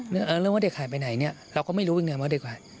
เรื่องว่าเด็กหายไปไหนเราก็ไม่รู้ยังไงว่าเด็กหายไปไหน